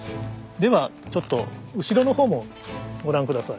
ではちょっと後ろの方もご覧下さい。